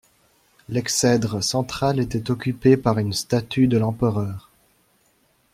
L'exèdre centrale était occupée par une statue de l'empereur.